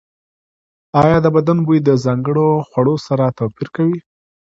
ایا د بدن بوی د ځانګړو خوړو سره توپیر کوي؟